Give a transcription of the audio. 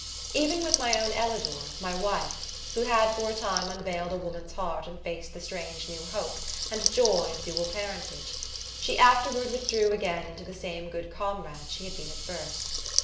Even with my own Ellador, my wife, who had for a time unveiled a woman's heart and faced the strange new hope and joy of dual parentage, she afterward withdrew again into the same good comrade she had been at first.